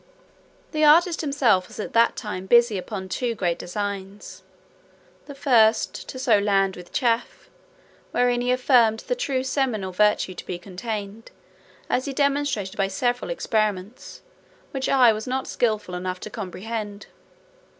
The artist himself was at that time busy upon two great designs; the first, to sow land with chaff, wherein he affirmed the true seminal virtue to be contained, as he demonstrated by several experiments, which I was not skilful enough to comprehend.